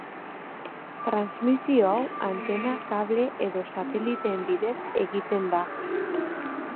Transmisio hau antena, kable edo sateliteen bidez egiten da.